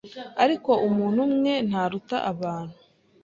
Ariko umuntu umwe ntaruta abantu